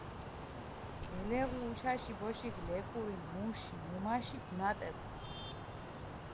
გელეღუ უჩაში ბოშიქ ლეკური მუში მუმაში დუნატებუ.